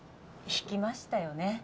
引きましたよね？